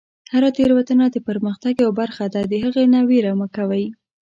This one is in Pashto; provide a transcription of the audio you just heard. هره تیروتنه د پرمختګ یوه برخه ده، د هغې نه ویره مه کوئ.